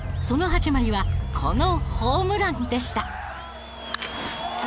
その始まりはこのホームランでした。